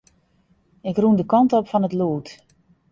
Ik rûn de kant op fan it lûd.